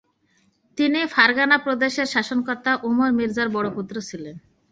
তিনি ফারগানা প্রদেশের শাসনকর্তা ওমর মির্জার বড় পুত্র ছিলেন।